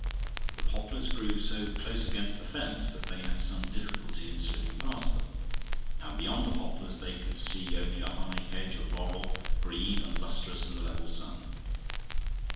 The poplars grew so close against the fence that they had some difficulty in slipping past them, and beyond the poplars they could see only a high hedge of laurel, green and lustrous in the level sun.